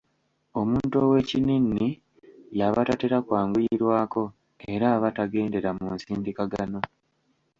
Omuntu ow'ekinnini y'aba tatera kwanguyirwako era aba tagendera mu nsindikagano.